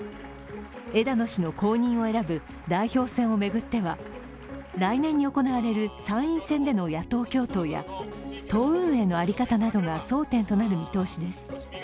枝野氏の後任を選ぶ代表選を巡っては来年に行われる参院選での野党共闘や党運営の在り方などが争点となる見通しです。